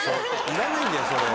いらないんだよそれ。